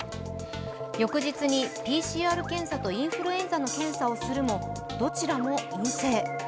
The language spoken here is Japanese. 翌日に、ＰＣＲ検査とインフルエンザの検査をするもどちらも陰性。